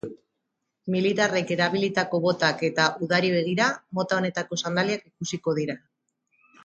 Militarrek erabilitako botak eta udari begira, mota honetako sandaliak ikusiko dira.